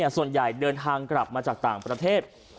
ส่วนใหญ่เดินทางกลับมาจากต่างประเทศ